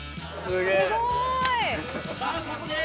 すごーい！